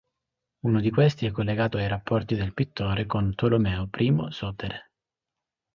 Uno di questi è collegato ai rapporti del pittore con Tolomeo I Sotere.